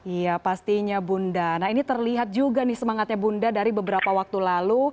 iya pastinya bunda nah ini terlihat juga nih semangatnya bunda dari beberapa waktu lalu